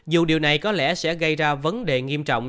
dù điều này có lẽ sẽ gây ra vấn đề nghiêm trọng